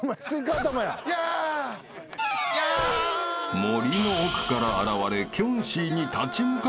［森の奥から現れキョンシーに立ち向かうスイカ